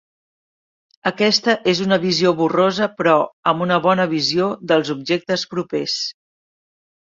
Aquesta és una visió borrosa però, amb una bona visió dels objectes propers.